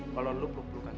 kalau lu perlu perlu kan